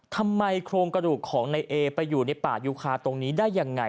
ทำไมคลมกระดูกของนายเอไปอยู่ในป่ายูคาตรงนี้ได้อย่างไง